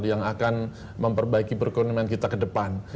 yang akan memperbaiki perekonomian kita ke depan